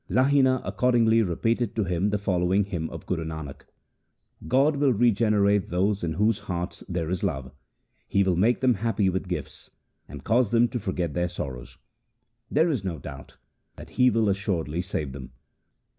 Lahina accordingly repeated to him the following hymn of Guru Nanak :— God will regenerate those in whose hearts there is love ; He will make them happy with gifts, and cause them to forget their sorrows. There is no doubt that He will assuredly save them.